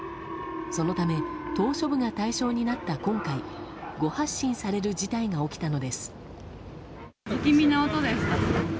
そのため島しょ部が対象になった今回誤発信される事態が起きたのです。